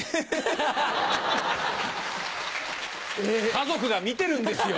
家族が見てるんですよ